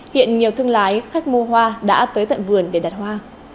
hiện nhiều thương lái khách mua hoa đã tới tận vườn để đặt hoa